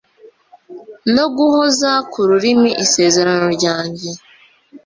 no guhoza ku rurimi isezerano ryanjye